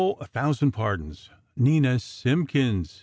A thousand pardons!! Nina _Simpkins!